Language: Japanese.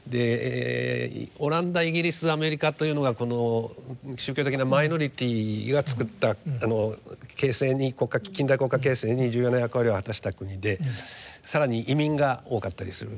オランダイギリスアメリカというのが宗教的なマイノリティーが作った形成に近代国家形成に重要な役割を果たした国で更に移民が多かったりする。